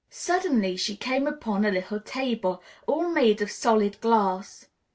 Suddenly she came upon a little table, all made of solid glass.